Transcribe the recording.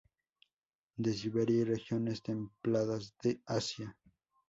De Siberia y regiones templadas de Asia.